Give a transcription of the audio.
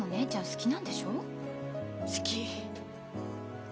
好き。